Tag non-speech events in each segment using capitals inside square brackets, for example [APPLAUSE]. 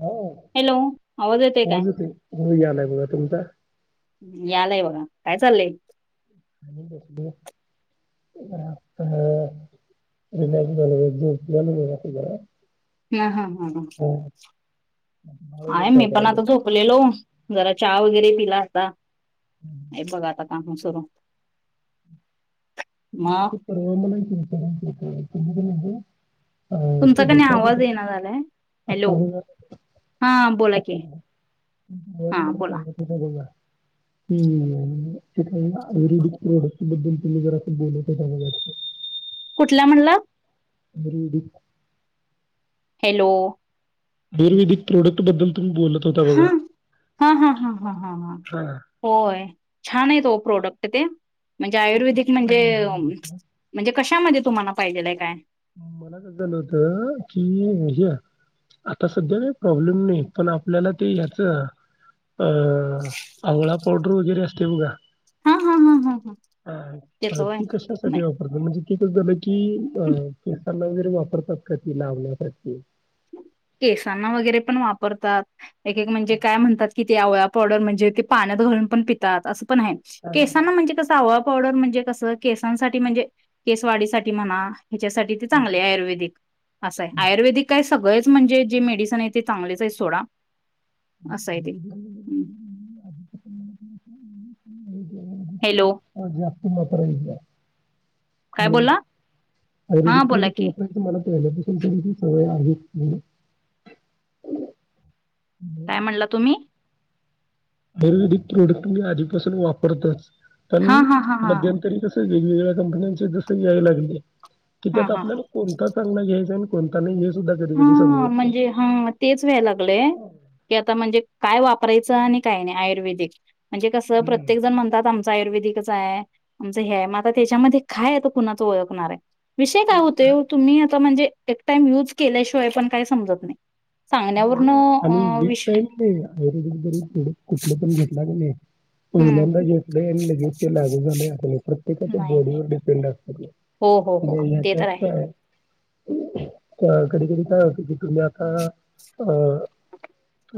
हो हॅलो येतोय आवाज येतोय, यालाय बघा तुमचा. यालाय बघा. काय चाललंय? काय नाही बसलोय. [INAUDIBLE] हा हा. ह ह. अह, बाळ आहे वगैरे मी काय पण करायलय? आता झोपलेलो. जरा चहा वगैरे पिला आता. हे बघा आता काम सर [INAUDIBLE] अ [INAUDIBLE] तुमचा का नाही आवाज येईना झालाय आत्ता हॅलो हा बोला की बघा. [UNINTELLIGIBLE] हा बोला हम् त्या आयुर्वेदिक बद्दल तुम्ही जरा. बोलतचं रहावं वाटत. काय म्हणला? म्रीडिंग हॅलो. आयुर्वेदिक प्रोडक्ट बद्दल तुम्ही बोलत होता हा. बघा हा ह ह ह हा होय. छान आहेत ओ प्रोडक्ट ते म्हणजे, ते आयुर्वेदिक कशाचं आहे म्हणजे नेमकं? म्हणजे कशामध्ये तुम्हाला पाहिजेलाय काय? मला काय झालं होतं कि ह्याच, आता सध्या का प्रॉब्लेम नाही पण आपल्याला ते ह्याच अं आवळा पावडर वगैरे असते बघा. हा हा हा हा हा ह त्याच होय ती कशासाठी नाही. वापरतात? म्हणजे ती झालं की अ केसांना वैगरे वापरतात का ती लावण्यासाठी? केसांना वगैरे पण वापरतात. एक एक म्हणजे काय म्हणतात कि ते आवळा पावडर म्हणजे ते पाण्यात घालून पण पितात अस पण हाय. केसांना म्हणजे कसं हवं पावडवर म्हणजे कसं केसांसाठी म्हणजे केसवाढीसाठी म्हणा ह्याच्यासाठी ते चांगले आहे आयुर्वेदिक असं आहे. आयुर्वेदिक काय सगळेच म्हणजे जे मेडिसन आहे ते चांगलेच आहेत सोडा [INAUDIBLE] असं आहे ते. आज हम्म [INAUDIBLE] हॅलो [UNINTELLIGIBLE] आजा [UNINTELLIGIBLE] काय हॅलो बोलला हा बोला की [UNINTELLIGIBLE] [UNINTELLIGIBLE] काय म्हणला तुम्ही? आयुर्वेदिक प्रोडक्ट मी आधीपासून वापरतोयच. पण हा हा हा हा मध्यंतरी कस वेगवेगळ्या कंपन्यांचे जसे यायलागले. कि हा त्यात हा. आपल्याला कोणता चांगला घ्यायच कोण हा म्हणजे हा तेच व्हायला लागलंय की आता म्हणजे काय वाप वापरायचं आणि काय नाही आयुर्वेदिक म्हणजे कसं हम्म. प्रत्येक जण म्हणतात आम च आयुर्वेदिकच आहे आमचं हे आहे मग आता त्याच्यामध्ये काय आहे तर कुणाच ओळखणार आहे विषय काय होतेय ओ तुम्ही आता म्हणजे एक टाइम यूज केल्याशिवाय पण काय समजत नाही बोल सांगण्यावरनं आणि अ, एक विष टाईम नाही आयुर्वेदिक जरी थोडं कुठलं पण घेतला कनी होई ल हं, जतडे जते लागू झाले आपले ते त्याच्या नाही, नाही. बॉडीवर डपेंड असत हो हो हो ते तर आहे का कधघ कधी काय होत की तुम्ही आता अ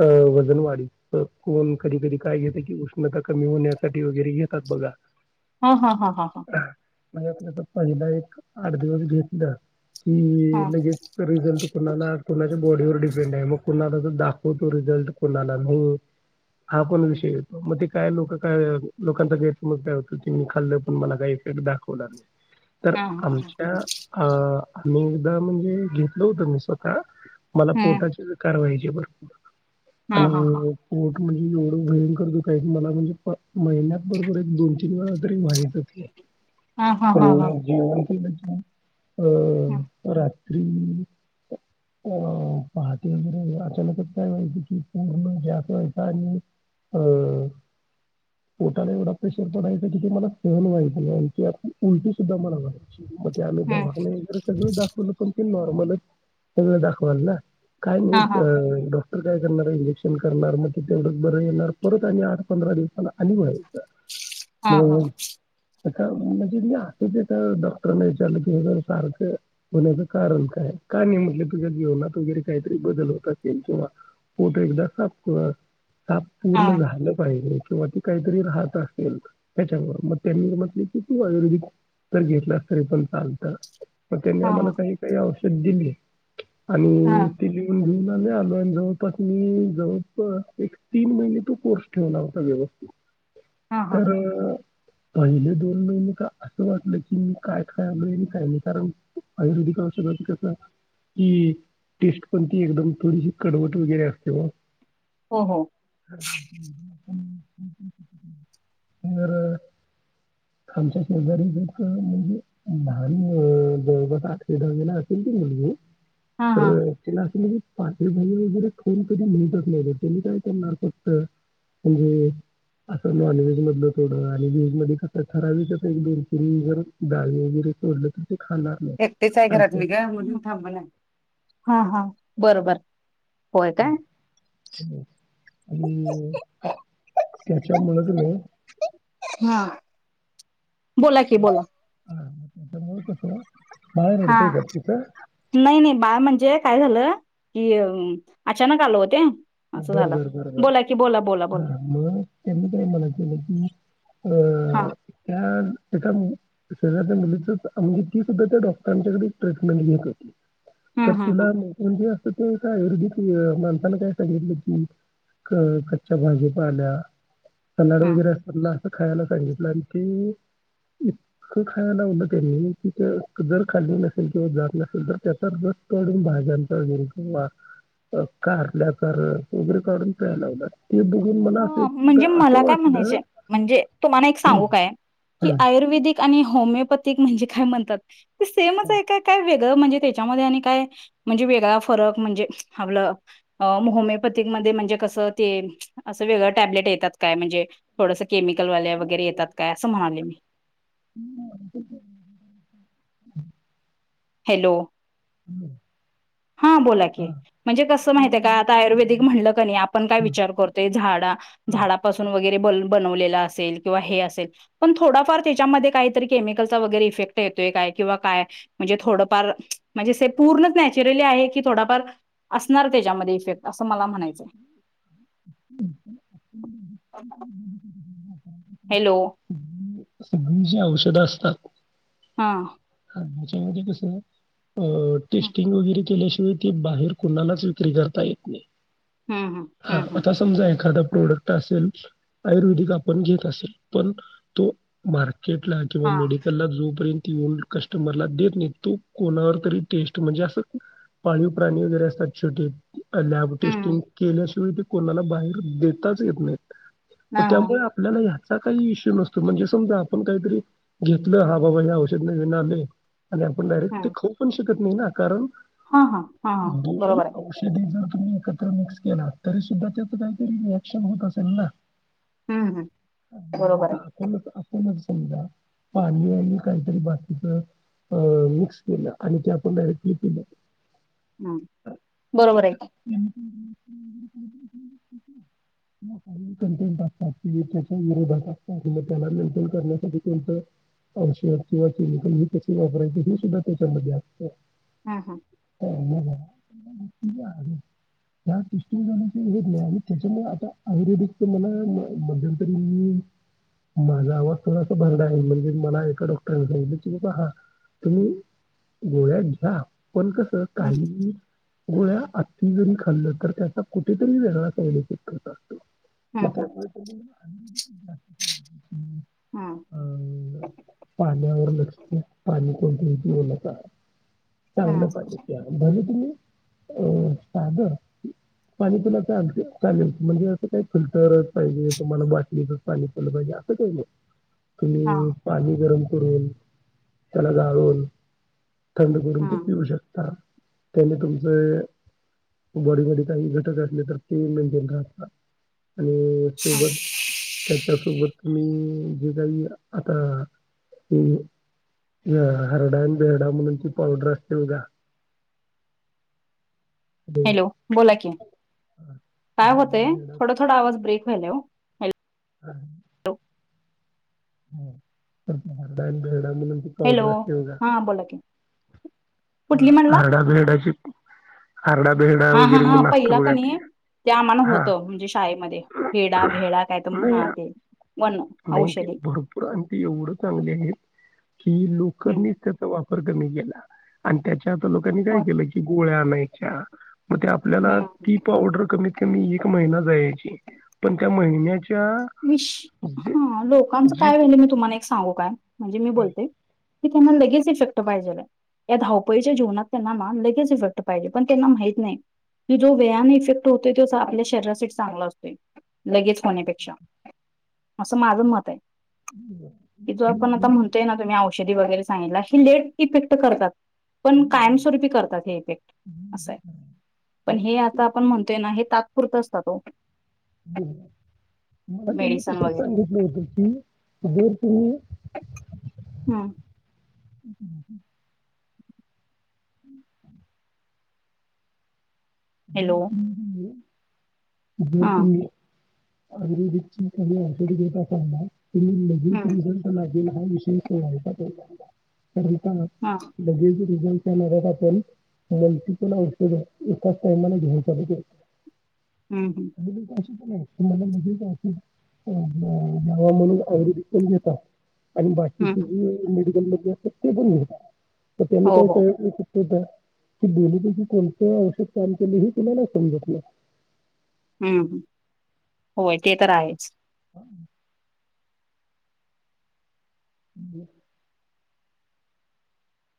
अ वजन वाढीत कोण कधी कधी काय घेत की उष्णता कमी होण्यासाठी वगैरे घेतात बघा हा हा हा हा हा म्हणजे आपल्या तर पहिला एक आठ दिवस घेतलं क हां, लगे रिझल्ट कुणाला कुणाच्या बॉडीवर मग कोणाला दाखवतो रिझल्ट कोणाला नाही हा पण विषय येतो मग ते काय लोक काय लोकांचा गैरसमज काय होतो ते मी खाल्ल पण मला काही इफेक्ट दाखवणार नाही तर हां, हां, हां. आमच्या अ आणि एकदा म्हणजे घेतलं होतं मी स्वतः हं. कोर्टाची कारवाई बर आणि हां, हां, हां. म्हणजे एवढं भयंकर दुःखायच मला म्हणजे [UNINTELLIGIBLE] महिन्यात बरोबर एक दोन तीन वेळा तरी व्हायचंच हे. हां, हां, पण हां, हां. मग जेवण केलं हं, होय रात [UNINTELLIGIBLE] पाहटे वगैरे अचानकच काय व्हायचं कि पूर्ण गॅस व्हायचा आणि अ पोटाला एवढा प्रेशर पडायचा कि ते मला सहन व्हायच नाही आणि ते अशी उलटी सुद्धा मला व्हायची. मग ते आम्ही हं. दवाखाने वगैरे सगळ दाखवलं पण ते नॉर्मलच सगळ दाखवाल ना. काय नाही हां, क हां. [UNINTELLIGIBLE] ड डॉक्टर काय करणार इंजेक्शन करणार मग ते तेवढंच बरं होणार परत आणि आठ पंधरा दिवसां नंतर आणि व्हायचं. [INAUDIBLE] हा -हा मग आता म्हणजे मी आता जे एका डॉक्टरांना विचारलं हे जर सारखं होण्याचं कारण काय काय नाही म्हटलं तुझ्या जेवणात वगैरे काहीतरी बदल होत असेल तेव्हा पोट एकदा साफ कर. का हां, पूर्ण हां. झालं पाहिजे. किंवा ती काहीतरी राहत असेल त्याच्यावर मग त्यांनी म्हटले की तू आयुर्वेदिक तर घेतलास तरी पण चालत. मग त्यांनी हां, आम्हाला हां. सांगितलं ही औष ध [UNINTELLIGIBLE] दिली आणि जुन ला मी आलो आणि जवळपास मी जवळपास एक तीन महिने तो कोर्स ठेवला होता व्यवस्थित. हां, हां. खरं पहिले दोन महिने का असं वाटलं की मी काय खायालोय नि काय नाही कारण आयुर्वेदिक औषधात कस कि टेस्ट पण ती एकदम थोडीशी कडवट वगैरे असते ओ हो हो हा हा हुं हुं हुं [UNINTELLIGIBLE] [UNINTELLIGIBLE] [UNINTELLIGIBLE] हा हा [UNINTELLIGIBLE] [UNINTELLIGIBLE] तर ठराविकच एक दोन किरी वर डाळी वगैरे सोडलं तर ते खाणार नाही. एकटेच आहे आणि घरात मी ग म्हणून थांब ना हा हा बरोबर होय काय [UNINTELLIGIBLE] त्याच्यामुळ की नाही हा बोला कि बोला त्यामुळे तिकडं हा नाही नाही बाळ म्हणजे काय झालं की अचानक आल ओ ते बरबर बरबर बोला हा मग त्यांनी काही म्हणात हा त्या शेजारच्या मुलीची म्हणजे ती सुद्धा त्या डॉक्टरांच्याकडे ट्रीटमेंट घेत होती हम्म तर हम्म हम्म तिला तर ते आयुर्वेदिक माणसांना काय तील कच्च्या भाजी पाल्या कनड हम्म वगैरे असतात खायला सांगितलं आणि ते इतकं खायला लावलं त्यांनी कि ते जर खाल्ली नसेल किंवा जात नसेल तर त्याचा रस काढून भाज्यातला किंवा कारल्या वगरे काढून प्याला लावला बघून मला असं हो एकदा म्हणजे असं मला काय म्हणायच वाटलं म्हणजे तुम्हाला एक हं, सांगू काय की हं, आयुर्वेदिक आणि होमिपथिक म्हणजे काय म्हणतात सेमच आहे काय वेग म्हणजे त्याच्यामध्ये आणि काय म्हणजे वेगळा फरक म्हणजे आपलं होमिओपॅथिक मध्ये म्हणजे कसं ते असं वेगळं टॅबलेट येतात काय म्हणजे थोडस केमिकलवाल्या वगैरे येतात काय असं म्हणाले मी [INAUDIBLE] हॅलो हा बोला की हा, म्हणजे कस तेवढं माहितय का मला आता पण आयुर्वेदिक म्हणलं की नाही आपण काय हं, विचार करतोय झाडा हा. झाडापासून बनवले ला असेल किंवा पण थोडफार त्याच्या मध्ये काही तर केमिकल चा वगैरे इफेक्ट येतोय काय म्हणजे थोडंफार म्हणजे पूर्णच नॅचरली आहे की थोडाफार असणार त्याच्यामध्ये इफेक्ट अस मला म्हणायचय हॅलो! सगळी जी औषधं असतात. हा. हा, त्याच्यामध्ये कसं. हम्म टेस्टिंग वगैरे केल्या. ते बाहेर कुणालाच विक्री करता येत नाही. हम्म हा हम्म हम्म आता समजा एखाद. प्रोडक्ट असेल आयुर्वेदिक आपण घेत असेल पण तो मार्केट. किंवा हा मेडिकल ला जोपर्यंत. तोवर कस्टमरला देत नाही तो कोणावर तरी टेस्ट म्हणजे असं पाळीव प्राणी वगैरे असतात छोटे. लॅब हम्म टेस्टिंग केल्याशिवाय. कोणाला बाहेर देताच येत नाहीत. म हा हा त्यामुळे आपल्याला या. असा काही इश्यू नसतो म्हणजे समजा आपण काहीतरी घेतलं हा बाबा या औषध- नाले- आणि आपण डारेक्ट ते हम्म खाऊ पण शक - नाही ना कारण- हा हा हा हा दोन बरोबर आहे. औषधी जर तुम्ही एकत्र मिक्स केला तरी सुद्धा त्याच काहीतरी रिएक्शन होत असेल ना हम्म हम्म बरोबर आहे आता आपणच. समजता पाणीवी काहीतरी ब-. अ मिक्स केलं आणि ते आपण डायरेक्टली पिलं हम बरोबर आहे की. [UNINTELLIGIBLE] कंटेन्ट असताति त्याच्या विरोधात असताति त्याला मेंटेन करण्यासाठी त्यांच औषध किंवा- क्लिनिकली कसे वापरायची हे सुद्धा त्याच्यामध्येध्ये असत. हा हा [UNINTELLIGIBLE] ह टेस्टिंग झाण्याची व नाही आणि त्याच्यामुळे आता आयुर्वेदिक तर मला मध्यंतरी मी माझा आवाज थोडासा भरडा आहेल म्हणजे मला एका डॉक्टर- पहिले तुम्ही गोळ्यात घ्या. पण कसं हम्म काहीही - गोळ्या आत जरी खाल्लं तर त्याचा कुठेतरी वेगळा साईड इफेक्ट करतात. हम्म म हम्म [UNINTELLIGIBLE] हा ल पाणी कोणतणती बोलत आ - चांगलं हम्म पाणी प्या भले तुम्ही. अ साधं पाणी पिला चालते चालेल म्हणजे असं काय फिल्टरच पाहिजे तुम्हाला बाटलीच पाणी पलं पाहिजे असं काही नाही. हा तुम्ही पाणी गरम करून त्याला गाळून थंड करून ते हम्म पिऊ शकता त्याने तुमच बॉडी मध्ये काही घटक असले तर ते मेनटेन राहतात आणि सोबत त्याच्या सोबत तुम्ही जे काही आता अ हरडा बेरडा म्हणून ती पावडर असते बघा ते हॅलो बोला कि काय हरडा होतंय बेरडा थोडा थोडा आवाज ब्रेक हॅलो. हा. हम्म हरडा एन बेरडा म्हणून ती हॅलो पावडर हा बोला की कुठली म्हणला हारडा बेरडाची हारडा बेरडा हा हा वगैरे हा म्हणून असत पहिला बघा कणी ते ते आम्हाला हा. होतं म्हणजे शाळेमध्ये हेडा भेडा काय तर नाही हा ते वन नाही ते औषधी भरपूर आण ते एवढं चांगले आहेत कि हम्म लोकांनीच त्याचा वापर वरकरणी गेला आणि त्या ते आता लोकांनी हो. काय केलं की गोळ्या आणायच्या मग ते आपल्याला हम्म ती पावडर कमी कमी एक महिना जायची पण त्या महिन्या विश हा लोकांचं जी काय म्हणणं मी तुम्हाला एक सांगू का म्हणजे मी बोलते की त्यांना लगेच इफेक्ट पाहिजे. या धावपळीच्या जीवनात त्यांना ना लगेच इफेक्ट पाहिजे पण त्यांना माहित नाही की जो वेळाने इफेक्ट होतोय तो आपल्या शरीरासाठी चांगला असतोय लगेच होण्यापेक्षा असं माझ मत आहे की जो आपण आता म्हणतोय ना तुम्ही औ औषधी वगैरे सांगितला ही लेट इफेक्ट करतात पण कायमस्वरूपी करतात हे इफेक्ट असं आहे पण हे आता आपण म्हणतोय ना हे तात्पुरतच त तो बरोबर मला त्यांनी मेडिसन तसच वगैरे सांगितलं होत की जर तुम्ही हम्म. हम्म. [UNINTELLIGIBLE] हॅलो [UNINTELLIGIBLE] [UNINTELLIGIBLE] हा आयुर्वेदिकची काही औषधे घेत अ तुम्ही लगेच हम्म रिझल्ट लागे विशेष करता हा लगेच रिझल्ट ष [UNINTELLIGIBLE] फस्ट टाईम घेऊन चालू केलो हम्म हम्म नाही तुम्हाला म्ह का की गावा म्हणून आवडी विकून घेतात आणि हम्म बाकीची जी मेडिकल ते बोल तर त्यांनी हो, हो. काही डेली डीच कोणत औषध. काम केले ह तुला समजत नाही. हम्म ह होय ते तर आहेच. ह